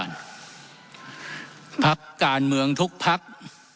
ทั้งสองกรณีผลเอกประยุทธ์